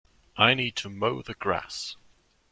I need to mow the grass.